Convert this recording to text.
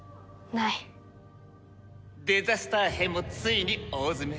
デザスター編もついに大詰め。